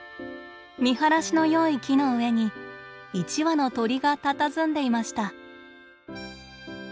見晴らしのよい木の上に一羽の鳥がたたずんでいました。